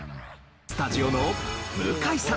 スタジオの向井さん